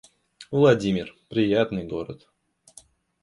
Владимир — приятный город